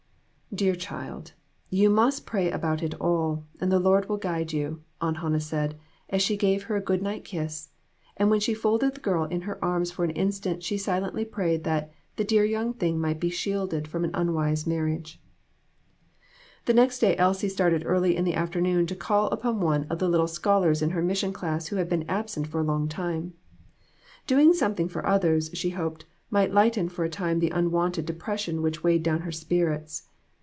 "Dear child, you must pray about it all, and the Lord will guide you," Aunt Hannah said, as she gave her a good night kiss, and while she folded the girl in her arms for an instant she silently prayed that "the dear young thing might be shielded from an unwise marriage." The next day Elsie started early in the after noon to call upon one of the little scholars in her mission class who had been absent for a long time. Doing something for others, she hoped, might lighten for a time the unwonted depression which weighed down her spirits.